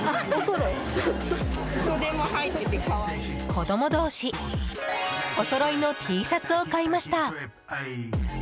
子供同士おそろいのＴシャツを買いました。